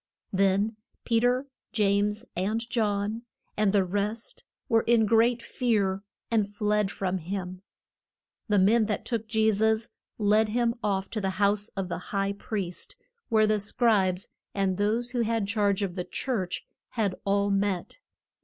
Then Pe ter, James and John, and the rest, were in great fear, and fled from him. The men that took Je sus led him off to the house of the high priest, where the scribes and those who had charge of the church had all met.